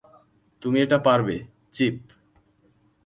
তুমি এটা পারবে, চিপ।